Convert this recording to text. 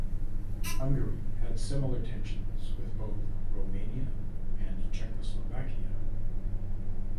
Hungary had similar tensions with both Romania and Czechoslovakia.